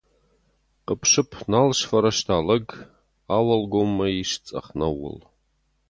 Хъыпп-сыпп нал сфӕрӕзта лӕг, ауӕлгоммӕ ис цъӕх нӕууыл.